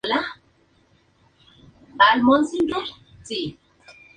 Es una especie muy particular, que no tiene semejantes, un enigma en la evolución.